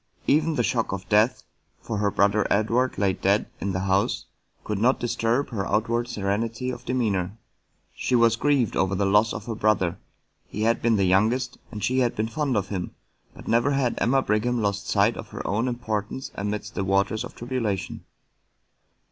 Even the shock of death (for her brother Edward lay dead in the house) could not disturb her outward serenity of demeanor. She was grieved over the loss of her brother : he had been the youngest, and she had been fond of him, but never had Emma Brigham lost sight of her own importance amidst the waters of tribulation.